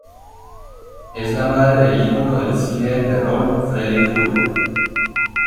Es la madre del ícono del cine de terror Freddy Krueger.